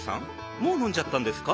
もうのんじゃったんですか？